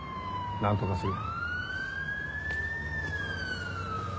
何とかする。